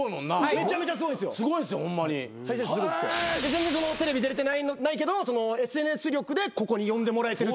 全然テレビ出れてないけどＳＮＳ力でここに呼んでもらえてる。